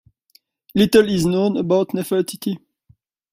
Little is known about Nefertiti.